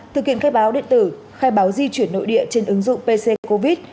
thực hiện khai báo điện tử khai báo di chuyển nội địa trên ứng dụng pc covid